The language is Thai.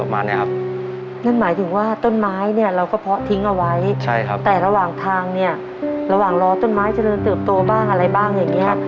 นั่นหมายถึงว่าต้นไม้เนี่ยเราก็เพาะทิ้งเอาไว้